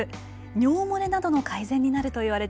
尿漏れなどの改善になるといわれています。